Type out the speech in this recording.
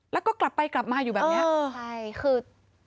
แล้วก็กลับไปกลับมาอยู่แบบนี้ใช่คือ